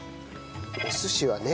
お寿司はね